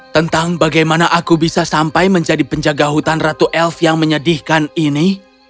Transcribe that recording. tentang bagaimana aku bisa sampai menjadi penjaga hutan ratu elf yang menyedihkan ini